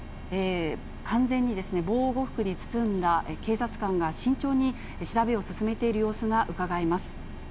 完全に防護服に包んだ警察官が、慎重に調べを進めている様子がうかがえます。